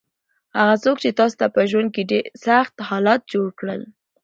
هغه څوک چې تاسو په ژوند کې یې سخت حالات جوړ کړل.